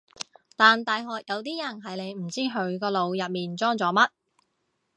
但大學有啲人係你唔知佢個腦入面裝咗乜